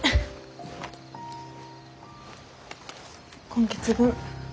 今月分。